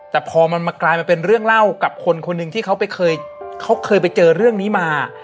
แต่พอมันมากลายมาเป็นเรื่องเล่ากับคนคนหนึ่งที่เขาเคยไปเจอเรื่องนี้มา